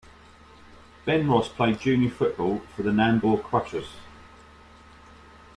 Ben Ross played junior football for the Nambour Crushers.